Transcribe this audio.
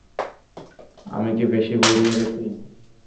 আমি কি বেশি বুড়িয়ে গেছি?